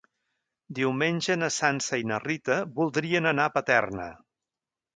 Diumenge na Sança i na Rita voldrien anar a Paterna.